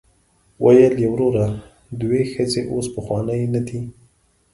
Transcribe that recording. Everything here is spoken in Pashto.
ویل یې وروره د دوی ښځې اوس پخوانۍ نه دي.